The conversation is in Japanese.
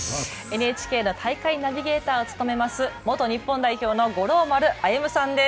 ＮＨＫの大会ナビゲーターを務めます元日本代表の五郎丸歩さんです。